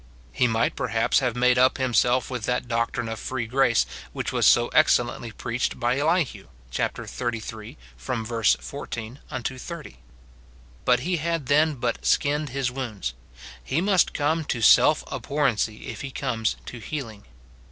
He might perhaps have made up himself with that doctrine of free grace which was so excellently preached by Elihu, chap, xxxiii. from verse 14 unto 30 ; but he had then but skinned his wounds : he must come to self abhorrency if he come to healing.